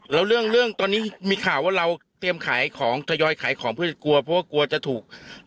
แล้วเรื่องเรื่องตอนนี้มีข่าวว่าเราเตรียมขายของทยอยขายของเพื่อจะกลัวเพราะว่ากลัวจะถูก